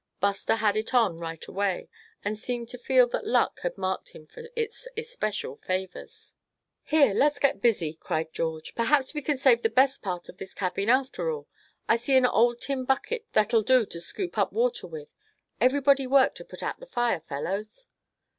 Buster had it on right away, and seemed to feel that luck had marked him for its especial favors. "Here, let's get busy!" cried George, "perhaps we can save the best part of this cabin after all. I see an old tin bucket that'll do to scoop up water with. Everybody work to put out the fire, fellows!"